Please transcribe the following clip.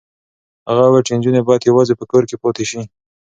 هغه وویل چې نجونې باید یوازې په کور کې پاتې شي.